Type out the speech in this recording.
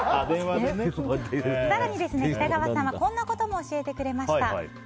更に北川さんはこんなことも教えてくれました。